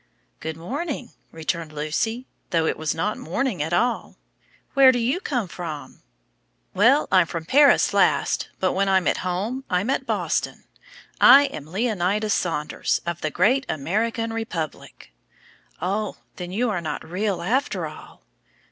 "Good morning," returned Lucy, though it was not morning at all; "where do you come from?" "Well, I'm from Paris last; but when I'm at home, I'm at Boston. I am Leonidas Saunders, of the great American Republic." "Oh, then you are not real, after all?"